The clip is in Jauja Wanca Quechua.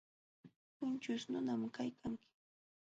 Kućhuśh nunam kaykanki.